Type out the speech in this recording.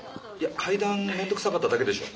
階段面倒くさかっただけでしょ。